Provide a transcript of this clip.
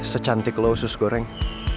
secantik lo sus goreng